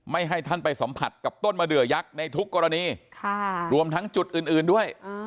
ให้ท่านไปสัมผัสกับต้นมะเดือยักษ์ในทุกกรณีรวมทั้งจุดอื่นด้วย